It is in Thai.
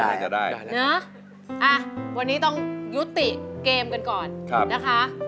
อ่ะวันนี้ต้องยุติเกมกันก่อนนะคะ